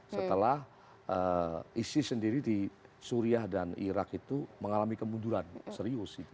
setelah isis sendiri di suriah dan irak itu mengalami kemunduran serius